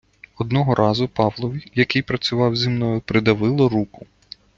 Одного разу Павлові, який працював зі мною придавило руку.